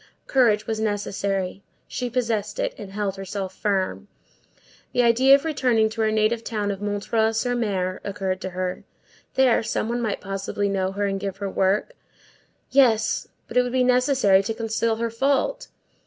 Courage was necessary; she possessed it, and held herself firm. The idea of returning to her native town of M. sur M. occurred to her. There, some one might possibly know her and give her work; yes, but it would be necessary to conceal her fault.